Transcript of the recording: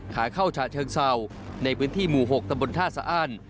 ขาเข้าฉะเชิงเศร้าในพื้นที่หมู่๖ตำบลท่าสะอ้าน